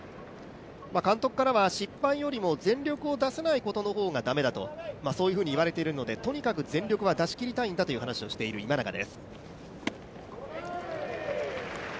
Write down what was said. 監督からは失敗よりも全力を出さないことの方が駄目だとそういうふうに言われているので、とにかく全力は出し切りたいんだと話している今永です。